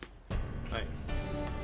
はい。